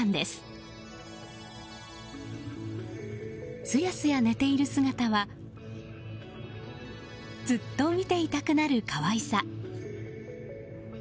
すやすや寝ている姿はずっと見ていたくなる可愛さ。